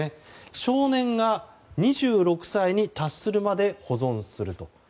少年が２６歳に達するまで保存すると。